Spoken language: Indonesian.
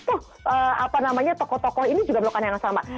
oh apa namanya tokoh tokoh ini juga melakukan hal yang sama